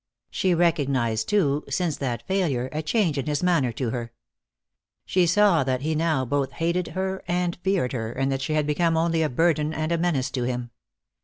She recognized, too, since that failure, a change in his manner to her. She saw that he now both hated her and feared her, and that she had become only a burden and a menace to him.